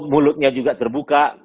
mulutnya juga terbuka